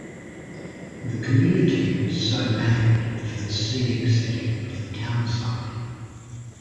The community was so named for the "scenic" setting of the town site.